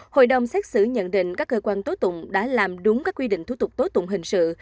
hội đồng xét xử nhận định các cơ quan tố tụng đã làm đúng các quy định thủ tục tố tụng hình sự